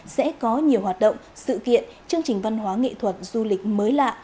sẽ có nhiều hoạt động sự kiện chương trình văn hóa nghệ thuật du lịch mới lạ